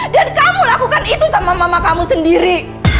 dan kamu lakukan itu sama mama kamu sendiri